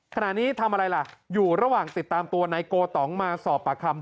ขณะนี้ทำอะไรล่ะอยู่ระหว่างติดตามตัวนายโกตองมาสอบปากคำ